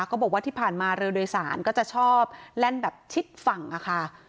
ก็บอกว่าที่ผ่านมาเรือโดยสารก็จะชอบแล่นแบบชิดฝั่งค่ะ